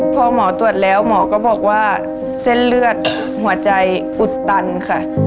พอหมอตรวจแล้วหมอก็บอกว่าเส้นเลือดหัวใจอุดตันค่ะ